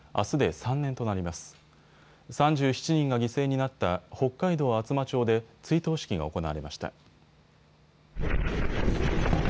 ３７人が犠牲になった北海道厚真町で追悼式が行われました。